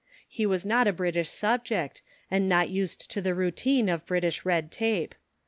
He was not a British subject, and not used to the routine of British red tape.